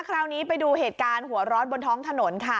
คราวนี้ไปดูเหตุการณ์หัวร้อนบนท้องถนนค่ะ